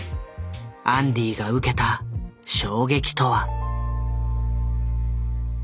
アンディが受けた衝撃とは。